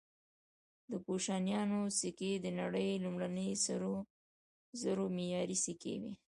د کوشانیانو سکې د نړۍ لومړني سرو زرو معیاري سکې وې